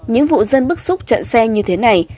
những vụ dân bức xúc chặn xe như thế này